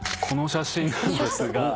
この写真なんですが。